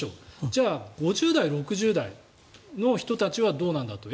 じゃあ、５０代６０代の人たちはどうなんだと。